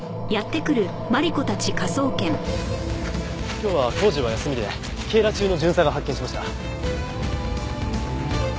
今日は工事は休みで警邏中の巡査が発見しました。